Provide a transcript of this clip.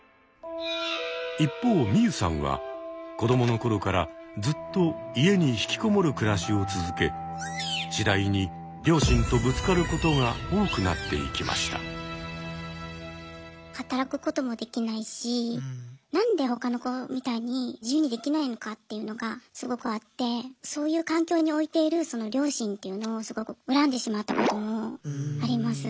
一方ミユさんは子どものころからずっと家に引きこもる暮らしを続け働くこともできないしなんで他の子みたいに自由にできないのかっていうのがすごくあってそういう環境に置いているその両親っていうのをすごく恨んでしまったこともあります。